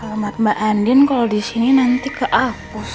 halamat mbak andien kalo disini nanti keapus